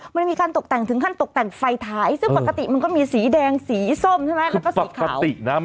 มันก็จะมีการตกแต่งถึงการตกแต่งไฟท้ายซึ่งปกติมันก็มีสีแดงสีส้มและสีขาว